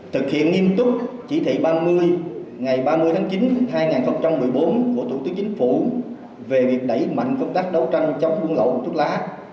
thực hiện nghiêm túc chỉ thị ba mươi ngày ba mươi tháng chín hai nghìn một mươi bốn của thủ tướng chính phủ về việc đẩy mạnh công tác đấu tranh chống buôn lậu thuốc lá